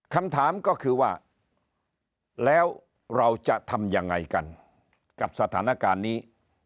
คำถามก็คือว่าแล้วเราจะทำยังไงกันกับสถานการณ์นี้